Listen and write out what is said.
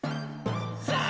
さあ